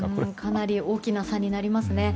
かなり大きな差になりますね。